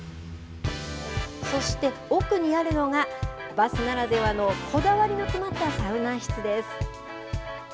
そして、奥にあるのが、バスならではのこだわりの詰まったサウナ室です。